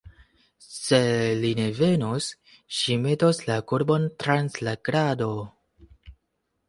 Se li ne venos, ŝi metos la korbon trans la krado.